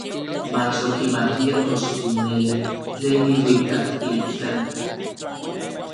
Mach okimatia kox yi neli tlen iluikaktitlantli.